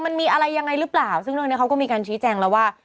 มันมีอะไรยังไงหรือเปล่าซึ่งเรื่องนี้เขาก็มีการชี้แจงแล้วว่า